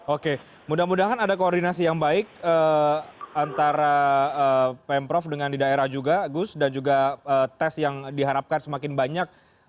oke mudah mudahan ada koordinasi yang baik antara pemprov dengan di daerah juga gus dan juga tes yang diharapkan semakin banyak